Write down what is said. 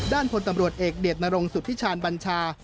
พลตำรวจเอกเดชนรงสุธิชาญบัญชา